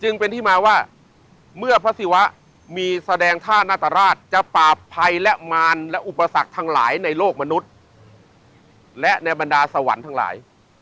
จึงเป็นที่มาว่าเมื่อพระศิวะมีแสดงท่านาตราชจะปราบภัยและมารและอุปสรรคทั้งหลายในโลกมนุษย์และในบรรดาสวรรค์ทั้งหลาย